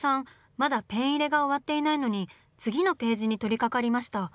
まだペン入れが終わっていないのに次のページに取りかかりました。